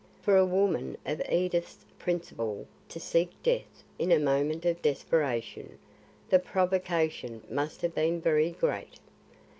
"For a woman of Edith's principle to seek death in a moment of desperation, the provocation must have been very great.